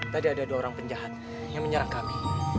tadi ada dua orang penjahat yang menyerang kami